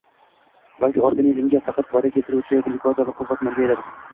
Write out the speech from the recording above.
balki organizmga faqat foyda keltiruvchi glyukoza va quvvat manbaidir.